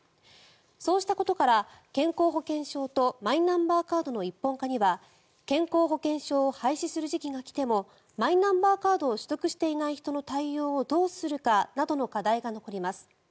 そうしたことから健康保険証とマイナンバーカードの一本化には健康保険証を廃止する時期が来てもマイナンバーカードを取得していない人の対応をどうするかなどの課題が残ります。